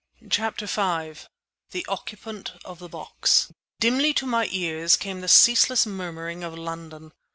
CHAPTER V THE OCCUPANT OF THE BOX Dimly to my ears came the ceaseless murmur of London.